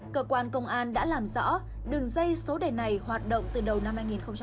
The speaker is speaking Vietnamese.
cơ quan công an đã làm rõ đường dây số đề này hoạt động từ đầu năm hai nghìn hai mươi